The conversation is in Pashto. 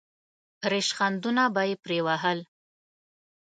ریشخندونه به یې پرې وهل.